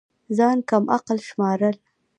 ځان كم عقل شمارل